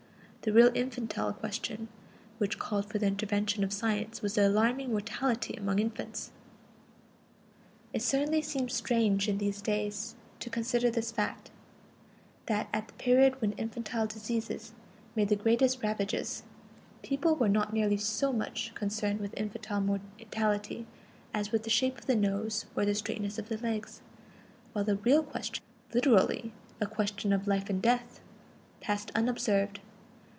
The real infantile question which called for the intervention of science was the alarming mortality among infants. It certainly seems strange in these days to consider this fact: that, at the period when infantile diseases made the greatest ravages, people were not nearly so much concerned with infantile mortality as with the shape of the nose or the straightness of the legs, while the real question literally a question of life and death passed unobserved.